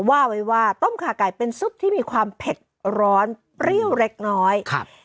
ว่าไว้ว่าต้มขาไก่เป็นซุปที่มีความเผ็ดร้อนเปรี้ยวเล็กน้อยครับ